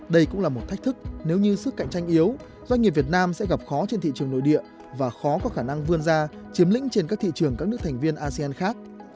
đây cũng là một thách thức nếu như sức cạnh tranh yếu doanh nghiệp việt nam sẽ gặp khó trên thị trường nội địa và khó có khả năng vươn ra chiếm lĩnh trên các thị trường các nước thành viên asean khác